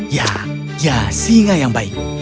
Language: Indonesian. ya ya singa yang baik